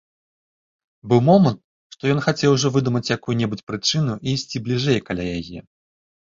Быў момант, што ён хацеў ужо выдумаць якую-небудзь прычыну і ісці бліжэй каля яе.